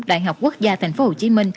đại học quốc gia tp hcm